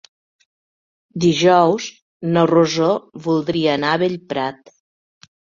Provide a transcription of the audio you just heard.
Dijous na Rosó voldria anar a Bellprat.